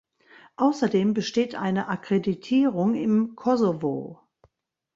Außerdem besteht eine Akkreditierung im Kosovo.